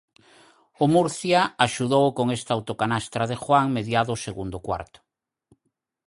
O Murcia axudou con esta autocanastra de Juan mediado o segundo cuarto.